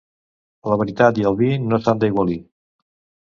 La veritat i el vi no s'han d'aigualir.